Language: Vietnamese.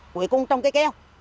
cuối cùng trong cái kéo